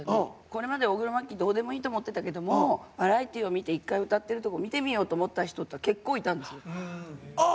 これまで大黒摩季どうでもいいと思ってたけどもバラエティーを見て一回歌ってるとこ見てみようと思った人って言ったら結構いたんですよ。